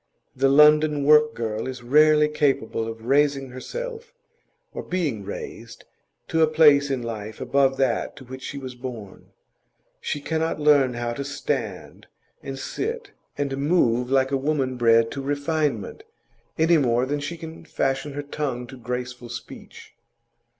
The London work girl is rarely capable of raising herself, or being raised, to a place in life above that to which she was born; she cannot learn how to stand and sit and move like a woman bred to refinement, any more than she can fashion her tongue to graceful speech.